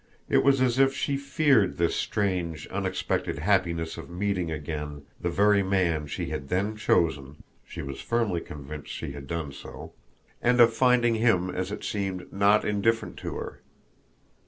It was as if she feared this strange, unexpected happiness of meeting again the very man she had then chosen (she was firmly convinced she had done so) and of finding him, as it seemed, not indifferent to her.